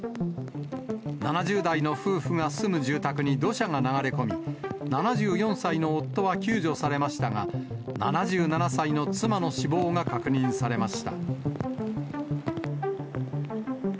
７０代の夫婦が住む住宅に土砂が流れ込み、７４歳の夫は救助されましたが、７７歳の妻の死亡が確認されました。